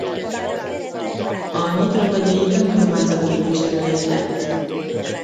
A Nyitra Megyei Önkormányzat képviselője lett.